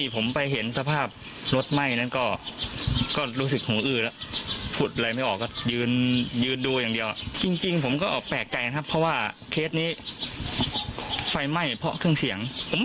ผมก็ไม่เคยเจอเหมือนกันผมก็เพิ่งมาเจอเนี่ย